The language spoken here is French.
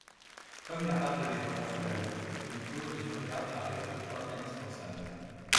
Comme l’a rappelé Jean-François Lamour, une clause de sauvegarde paraît toutefois indispensable.